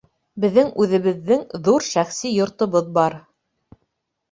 Беҙҙең үҙебеҙҙең ҙур шәхси йортобоҙ бар